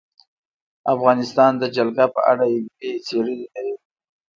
افغانستان د جلګه په اړه علمي څېړنې لري.